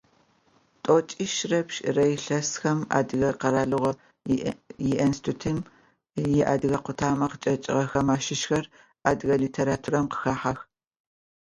Тӏокӏищрэ пшӏырэ илъэсхэм Адыгэ къэралыгъо институтым иадыгэ къутамэ къычӏэкӏыгъэхэм ащыщхэр адыгэ литературэм къыхахьэх.